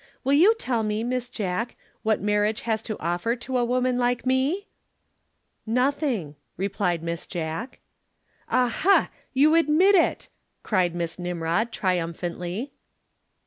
Will you tell me, Miss Jack, what marriage has to offer to a woman like me?" "Nothing," replied Miss Jack. "Aha! You admit it!" cried Miss Nimrod triumphantly.